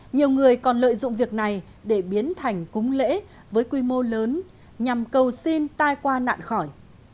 nhiều người còn lợi dụng việc này để biến thành cúng lễ với quy mô lớn nhằm cầu xin tai qua nạn khỏi